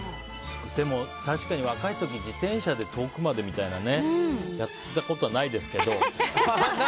でも、若い時自転車で遠くまでみたいなのねやったことはないですけど。